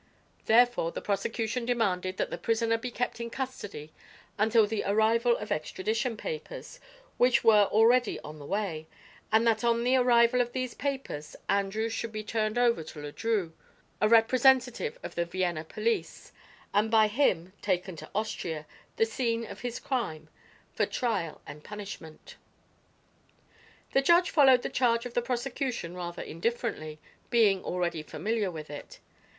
Therefore the prosecution demanded that the prisoner be kept in custody until the arrival of extradition papers, which were already on the way, and that on the arrival of these papers Andrews should be turned over to Le Drieux, a representative of the Vienna police, and by him taken to Austria, the scene of his crime, for trial and punishment. The judge followed the charge of the prosecution rather indifferently, being already familiar with it.